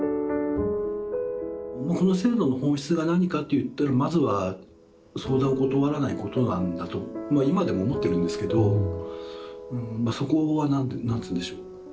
この制度の本質が何かっていったらまずは相談を断らないことなんだと今でも思ってるんですけどそこは何て言うんでしょう。